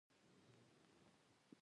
اسلام د ښځو عزت او کرامت ته ارزښت ورکوي.